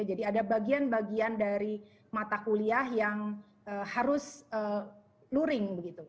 jadi ada bagian bagian dari mata kuliah yang harus luring begitu